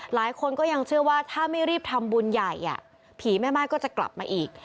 หลายคนก็ยังเชื่อว่าถ้าไม่รีบทำบุญใหญ่ผีแม่ไม้ก็จะกลับมาอีก